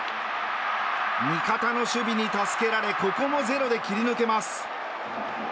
味方の守備に助けられここもゼロで切り抜けます。